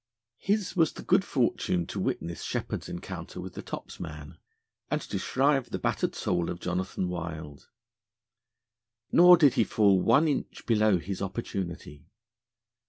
His was the good fortune to witness Sheppard's encounter with the topsman, and to shrive the battered soul of Jonathan Wild. Nor did he fall one inch below his opportunity.